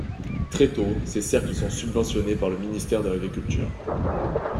Très tôt, ces cercles sont subventionnés par le ministère de l'Agriculture.